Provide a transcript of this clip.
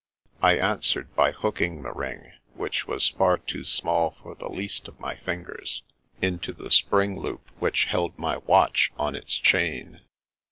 I answered by hooking the ring, which was far too small for the least of my fingers, into the spring loop which held my watch on its chain.